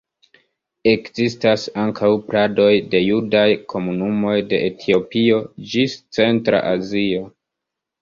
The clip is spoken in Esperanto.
Ekzistas ankaŭ pladoj de judaj komunumoj de Etiopio ĝis Centra Azio.